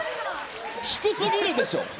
低すぎるでしょ。